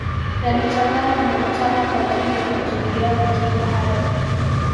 Yalichanganywa na mchanga kwa ajili ya kujengea majengo hayo